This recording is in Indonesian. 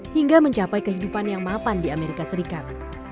hingga mencapai kehidupan yang mapan di amerika serikat